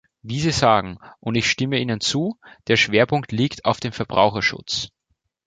Wie Sie sagen, und ich stimme Ihnen zu, der Schwerpunkt liegt auf dem Verbraucherschutz.